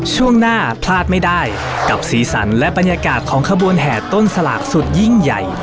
ช่วงหน้าพลาดไม่ได้กับสีสันและบรรยากาศของขบวนแห่ต้นสลากสุดยิ่งใหญ่